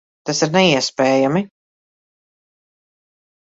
Tas ir neiespējami!